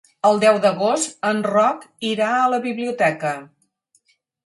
El deu d'agost en Roc irà a la biblioteca.